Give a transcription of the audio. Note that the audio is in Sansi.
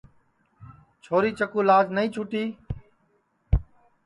چھوری چکُو لاج نائی چُھوٹی